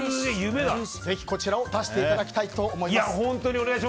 ぜひこちらを出していただきたいと思います。